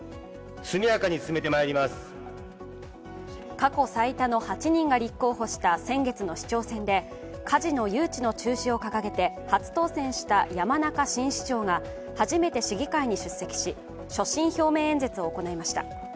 過去最多の８人が立候補した先月の市長選でカジノ誘致の中止を掲げて初当選した山中新市長が初めて市議会に出席し、所信表明演説を行いました。